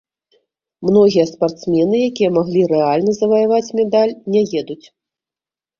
Многія спартсмены, якія маглі рэальна заваяваць медаль, не едуць.